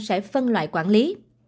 sẽ phân loại quản lý